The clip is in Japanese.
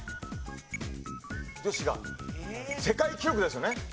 女子が世界記録ですよね？